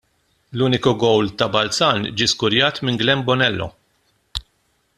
L-uniku gowl ta' Balzan ġie skurjat minn Glenn Bonello.